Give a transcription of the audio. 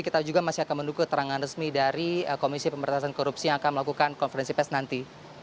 kita juga masih akan mendukung terangan resmi dari komisi pemberantasan korupsi yang akan melakukan konferensi pes nanti